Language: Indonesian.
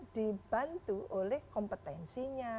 dibantu oleh kompetensinya